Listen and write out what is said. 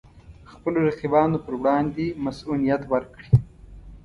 خپلو رقیبانو پر وړاندې مصئونیت ورکړي.